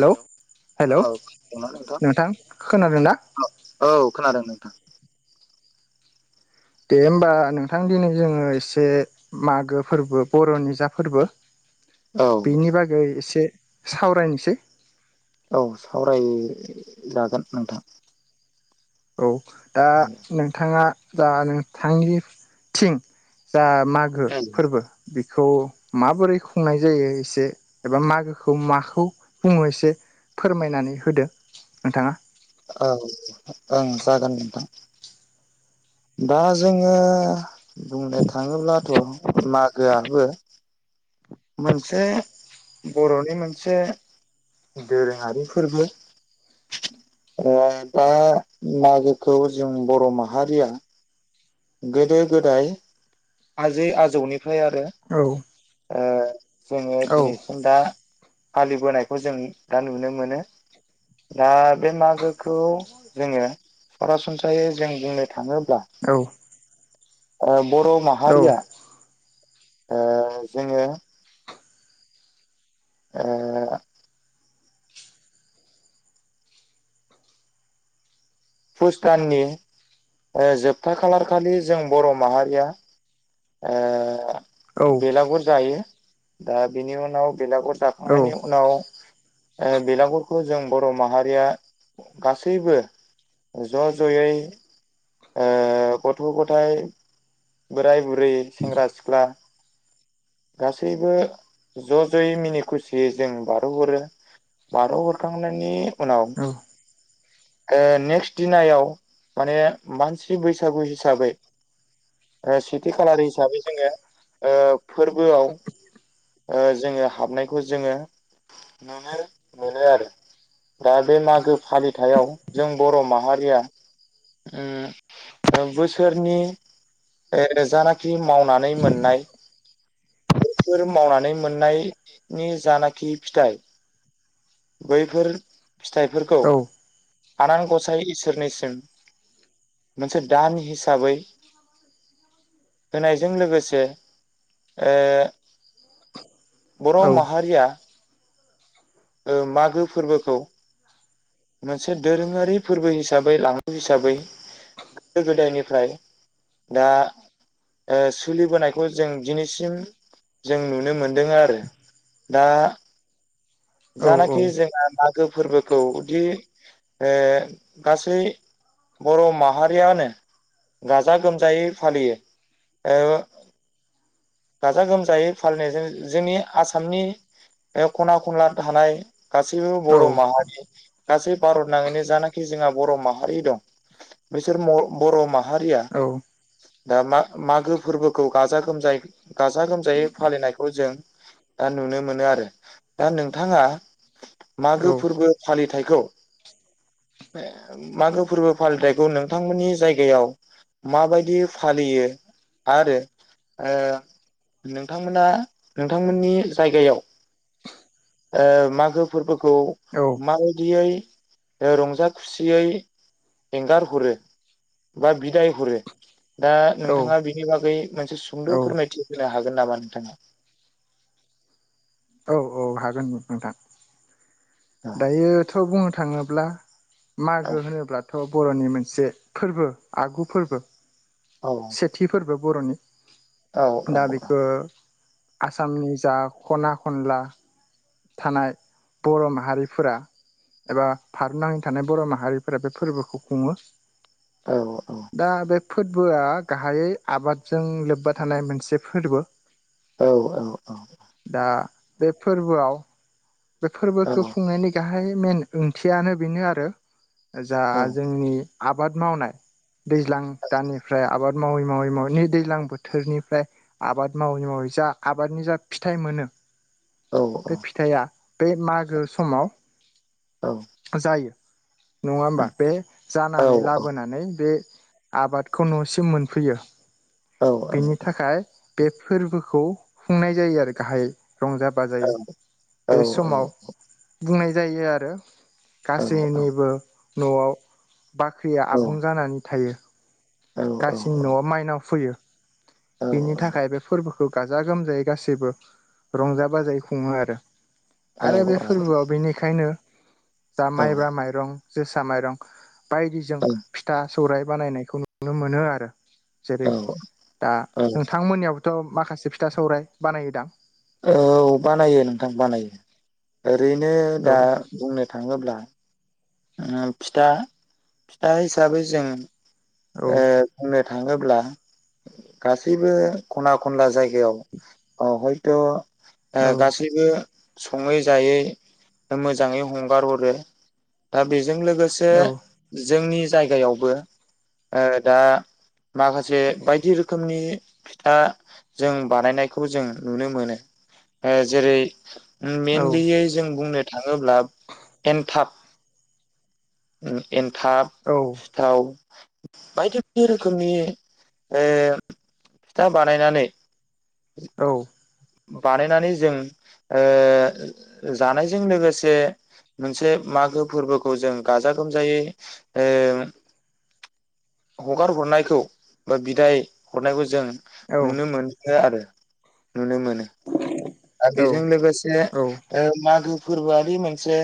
Hello hello औ खोनादोंना नोंथां? खोनादों ना औ औ खोनादों नोंथां। दे होमबा नोंथां दिनै जोङो एसे मागो फोरबो बर' निजा फोरबो औ बेनि बागै एसे सावरायनोसै। औ सावरायजागोन नोंथां। औ दा नोंथाङा दा नोंथांनि थिं बा मागो औ फोरबो बि खौ माबोरै खुंनाय जायो एसे एबा मागोखौ माखौ बुङो एसे फोरमायनानै होदो नोंथाङा? ओं जागोन नोंथां। दा जोङो बुंनो थाङोब्लाथ' मागोआबो मोनसे बर'नि मोनसे दोरोङारि फोरबो। ओ दा मागोखौ जों बर' माहारिया गोदो गोदाय आजै आजौनिफ्राय आरो औ ओ जोङो औ दिनैसिम दा फालिबोनायखौ जों दा नुनो मोनो। दा बे मागोखौ जोङो सरासनस्रायै जों बुंनो थाङो औ ओ बर' औ माहारिया ओ जोङो ओ फुस दाननि ओ जोबथा खालारखालि जों बर' माहारिया ओ औ बेलागुर जायो दा बेनि उनाव बेलागुर जाखांनायनि उनाव ओ बेलागुरखौ जों बर' माहारिया गासैबो ज' ज'यै ओ गथ' गथाइ बोराय बुरै सेंग्रा सिख्ला गासैबो ज' ज'यै मिनि खुसियै जों बारहोहरो। बारहो हरखांनायनि उनाव औ ओ नेक्स्ट दिनायाव माने मानसि बैसागु हिसाबै ओ सेथि खालार हिसाबै जोङो ओ फोरबोआव ओ जोङो हाबनायखौ जोङो नुनो मोनो आरो दा बे मागो फालिथायाव जों बर' माहारिया ओम बोसोरनि ओ जानाखि मावनानै मोननाय बेफोर मावनानै मोननायनि जानाखि फिथाइ बैफोर फिथाइफोरखौ औ आनान गसाइ इसोरनिसिम मोनसे दान हिसाबै होनायजों लोगोसे ओ बर' औ माहारिया मागो फोरबोखौ मोनसे दोरोङारि फोरबो हिसाबै लाङो हिसाबै गोदो गोदायनिफ्राय दा ओ सोलिबोनायखौ जों दिनैसिम जों नुनो मोनदों आरो दा जानाखि जोंना मागो फोरबोखौ बि ओ गासै बर' माहारियानो गाजा गोमजायै फालियो। गाजा गोमजायै फालिनायजों जोंनि आसामनि बे खना खनला थानाय गासैबो औ बर' माहारि गासै भारत नाङैनो जानाखि जोंहा बर' माहारि दं। बिसोर मर बर' माहारिया औ दा मा मागो फोरबोखौ गाजा गोमजायै गाजा गोमजायै फालिनायखौ जों दा नुनो मोनो आरो दा नोंथाङा औ मागो फोरबो फालिथाय खौ मागो फोरबो फालिथायखौ नोंथांमोननि जायगायाव माबायदि फालियो आरो ओ नोंथांमोना नोंथांमोननि जायगायावज्ञ ओ मागो फोरबोखौ औ मारै बिदियै रंजा ओ खुसियै एंगारहरो बा बिदाय हरो दा औ नोंथाङा बिनि बागै मोनसे औ सुंद' फोरमायथि होनो हागोन नामा नोंथाङा? औ औ हागोन नोंथां। औ दायोथ' बुंनो थाङोब्ला मागो होनोब्लाथ' बर'नि मोनसे फोरबो आगु फोरबो सेथि फोरबो बर'नि। दा बेखो आसामनि जा खना खनला थानाय बर' माहारिफोरा एबा भार नाङै थानाय बर' माहारिफोरा बे फोरबोखौ खुङो। दा बे फोरबोआ गाहायै आबादजों लोब्बा थानाय मोनसे फोरबो। दा बे फोरबोआव बे फोरबोखौ खुंनायनि गाहाय मेइेन ओंथियानो बेनो आरो जा जोंनि आबाद मावनाय दैज्लां दाननिफ्राय आबाद मावै मावै मावै नै दैलां बोथोरनिफ्राय आबाद मावै मावै जा आबादनि जा फिथाइ मोनो बे फिथाइआ बे मागो समाव जायो। नङा होमबा बे जानानै लाबोनानै बे आबादखौ न'सिम मोनफैयो बेनि थाखाय बे फोरबोखौ खुंनाय जायो आरो गाहायै रंजा बाजायै। बे समाव बुंनाय जायो आरो गासैनिबो न'आव बाख्रिया आबुं जानानै थायो। गासिनि न'आव माइनाव फैयो। बिनि थाखाय बे फोरबोखौ गाजा गोमजायै गासैबो रंजा बाजायै खुंङो आरो। आरो बे फोरबोआव बेनिखायनो दा माइब्रा माइरं जोसा माइरं बायदिजों फिथा सौराय बानायनायखौ नुनो मोनो आरो जेरै दा नोंथांमोननियाव थ' माखासे फिथा सौरायाइ बानायोदां औ बानायो नोंथां बानायो ओ ओरैनो औ दा बुंनो थाङोब्ला ओ फिथा फिथा हिसाबै जों औ ओ बुंनो थांङोब्ला गासैबो खना खनला जायगायाव अ हयथ' ओ औ गासैबो संङै जायै मोजांङै हंगार हरो दा बे जों लोगोसे औ जोंनि जायगायावबो ओ दा माखासे बायदि रोखोमनि फिथा जों बानायनायखौ जों नुनो मोनो। ओ जेरै औ मेनलियै जों बुंनो थाङोब्ला एन्थाब एन्थाब औ सिथाव बायदि बायदि रोखोमनि फिथा ओ बानायनानै औ। बानायनानै जों ओ जानायजों लोगोसे मोनसे मागो फोरबोखौ जों गाजा गोमजायै ओ हगार हरनायखौ बा बिदाय हरनायखौ जों नुनो मोनो आरो नुनो मोनो आरो बेजों लोगोसे औ ओ मागो फोरबोआदि मोनसे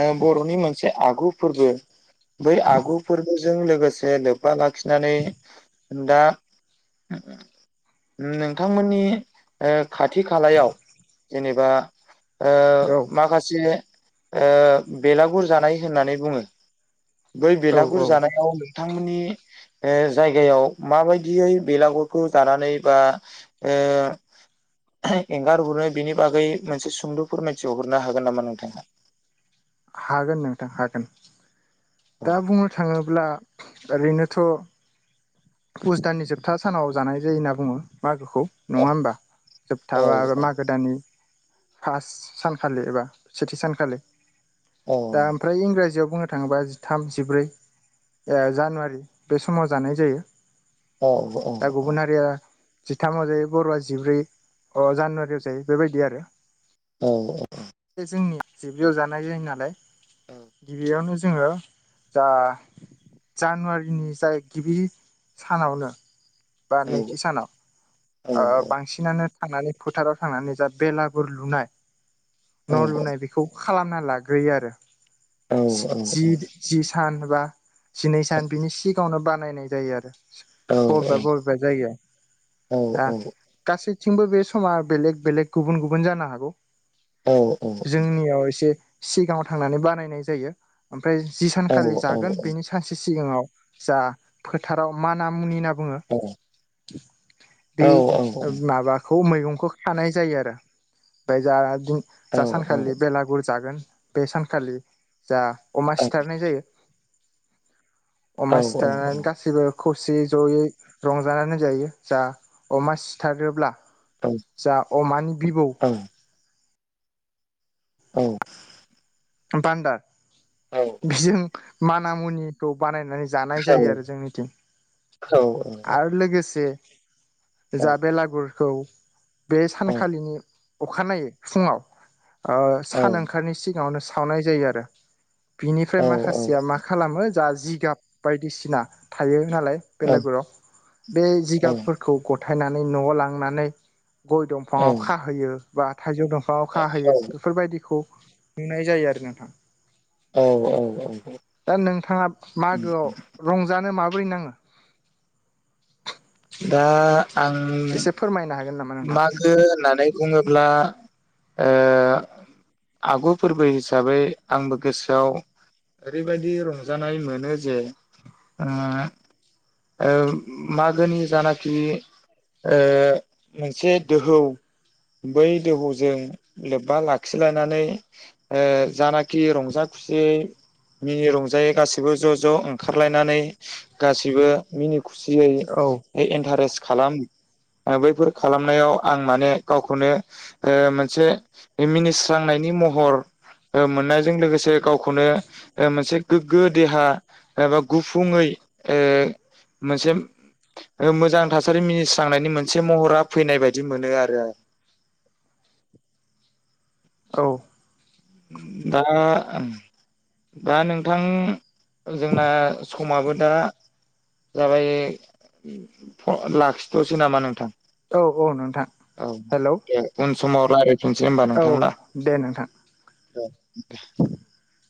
ओ बर'नि मोनसे आगु फोरबो बै आगु फोरबोजों लोगोसे लोब्बा लाखिनानै दा नोंथांमोननि ओ खाथि खालायाव जेनेबा ओ औ माखासे ओ बेलागुर जानाय होननानै बुङो बै औ औ बेलागुर जानायाव नोंथांमोननि ओ जायगायाव माबायदियै बेलागुरखौ जानानै बा ओ एंगारहरो बिनि बागै मोनसे सुंद' फोरमायथि हरनो हागोन नामा नोंथाङा हागोन नोंथां हागोन दा औ बुंनो थाङोब्ला ओरैनोथ' पुस दाननि जोबथा सानाव जानाय जायो होनना बुङो मागोखौ खौ नङा होमबा औ जोबथाबा मागो दाननि फास सानखालि एबा सेथि सानखालि औ दा ओमफ्राय इंराजियाव बुङो नो थाङोबा जिथाम जिब्रै जानुवारि बे समाव जानाय जायो औ औ दा गुबुनारिया जिथामाव जायो बर'आ जिब्रै अ जानुवारियाव जायो बेबायदि आरो। औ औ बे जोंनि जिब्रैयाव जानाय जायो नालाय गिबियावनो जोङो जा जानुवारिनि जाय गिबि सानावनो बा नैथि सानाव ओ बांसिनानो थांनानै फोथाराव थांनानै जा बेलागुर लुनाय न' लुनाय बेखौ खालामना जाग्रोयो आरो जि-जि सान बा जिनै सान बिनि सिगाङावनो बानायनाय जायो आरो। बबेबा बबेबा जायगायाव औ। बिथिंबो बे समा बेलेग बेलेग गुबुन गुबुन जानो हागौ जोंनियाव एसे सिगाङाव थांनानै बानायनाय जायो। ओमफ्राय जि सानखालि जागोन बेनि सानसे सिगाङाव जा फोथाराव माना मुनि ना बुङो दै औ औ ओ औ माबाखौ मैगं खौ खानाय जायो आरो ओमफ्राय जा गु जा सानखालि बेलागुर जागोन बे सानखालि जा अमा सिथारनाय जायो। अमा सिथारनानै गासैबो खौसेयै जयै रंजानानै होनजायो जा अमा सिथारोब्ला जा अमानि बिबौ औ। बान्दार बेजों माना मुनिखौ बानाय नानै जानाय जायो आरो जोंनिथिं आरो लोगोसे जा बेलागुरखौ बे सानखालिनि अखानायै फुङाव ओ सान ओंखारनायनि सिगाङावनो सावनाय जायो आरो। बिनिफ्राय माखासेया मा खालामो जा जिगाब बायदिसिना थायो नालाय बेलाेगुराव बे जिगाबफोरखौ गथायनानै न'आव लांनानै गय दंफाङाव खाहोयो बा थाइजौ दंफाङाव खाहोयो बेफोरबायदिखौ नुनाय जायो आरो नोंथां औ औ औ। दा नोंथाङा मागोआव रंजानो माबोरै नाङो दा आं एसे फोरमायनो हागोन नामा नोंथां मागो होननानै बुङोब्ला ओ आगु फोरबो हिसाबै आंबो गोसोआव ओरैबायदि रंजानाय मोनो जे ओ ओ मागोनि जानाखि ओ मोनसे दोहौ बै दोहौजों लोब्बा लाखिलायनानै ओ जानाखि रंजा खुसि मिनि रंजायोै गासैबो ज' ज' ओंखारलायनानै गासैबो मिनि खुसियै औ इन्टारेस्ट खालाम बैफोर खालामनायाव आं माने गावखौनो ओ मोनसे मिनिस्रांनायनि नि महर मोननायजों लोगोसे गावखौनो मोनसे गोग्गो देहा एबा गुफुङै ओ मोनसे मोजां थासारि मिनिस्रांनायनि मोनसे महरा फैनाय बायदि मोनो आरो आं औ दा दा नोंथां जोंना समाबो दा जाबाय लाखिथ'सै नामा नोंथां औ औ नोंथां औ हेलौ उन समाव थनोसै होनोमबा औ नोंथां दा दे नोंथां [unintelligible]